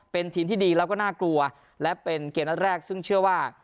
เป็นทีมที่ดีแล้วก็น่ากลัวและเป็นเกมนัดแรกซึ่งเชื่อว่า